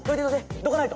どかないと。